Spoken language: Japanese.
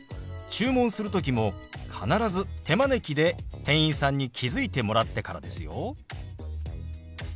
注文する時も必ず手招きで店員さんに気付いてもらってからですよ。